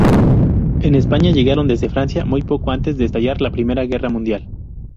En España llegaron desde Francia muy poco antes de estallar la Primera Guerra Mundial.